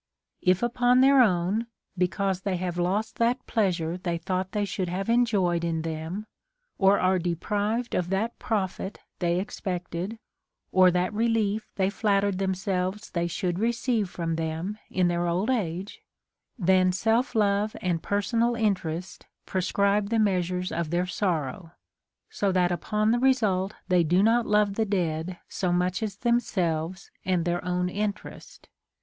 If upon their own, because they have lost that pleasure they thought they should have enjoyed in them, or are deprived of that profit they expected or that relief they flattered themselves they should receive from them in their old age, then self love and personal interest prescribe the measures of their sorrow ; so that upon the result they do net love the dead so much as themselves and their own interest.